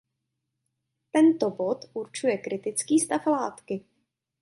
Tento bod určuje "kritický stav látky".